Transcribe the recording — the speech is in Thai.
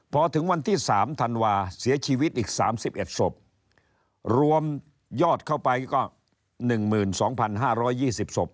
พอถึงวันที่๓ธันวาเสียชีวิตอีก๓๑ศพรวมยอดเข้าไปก็๑๒๕๒๐ศพ